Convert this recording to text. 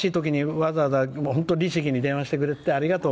わざわざ律儀に電話してくれてありがとう。